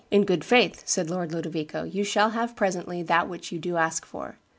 'In good faith,' said Lord Ludovico, 'you shall have presently that which you do ask for.